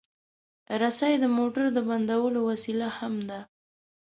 رسۍ د موټر د بندولو وسیله هم ده.